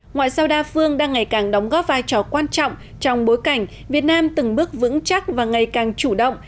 ngoại giao đa phương đang ngày càng đóng góp vai trò quan trọng trong bối cảnh việt nam từng bước vững chắc và ngày càng chủ động